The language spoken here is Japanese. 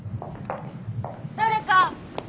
誰か！